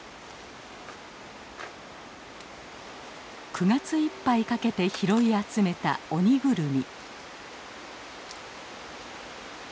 ９月いっぱいかけて拾い集めたオニグルミ。